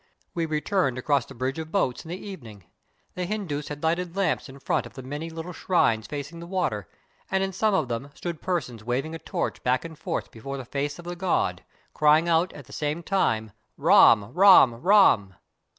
We returned across the bridge of boats in the evening. The Hindoos had lighted lamps in front of the many little shrines facing the water, and in some of them stood persons waving a torch back and forth before the face of the god, crying out at the same time, " Ram, Ram, Ram